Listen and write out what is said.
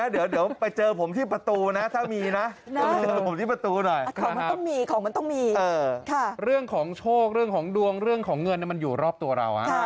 เรื่องของโชคเรื่องของดวงเรื่องของเงินมันอยู่รอบตัวเรา